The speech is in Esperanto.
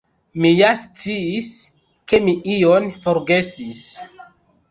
Mi ja sciis, ke mi ion forgesis.